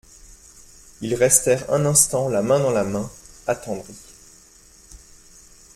Ils restèrent un instant la main dans la main, attendris.